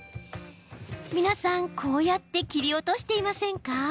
皆さん、こうやって切り落としていませんか？